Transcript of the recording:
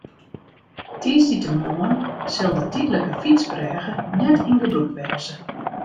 Tiisdeitemoarn sil de tydlike fytsbrêge net yn gebrûk wêze.